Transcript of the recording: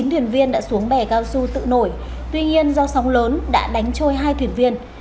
hải cao su tự nổi tuy nhiên do sóng lớn đã đánh trôi hai thuyền viên